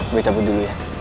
gue tabut dulu ya